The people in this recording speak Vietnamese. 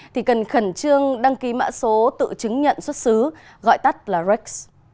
thì cần khẩn trương đăng ký mã số tự chứng nhận xuất xứ gọi tắt là rex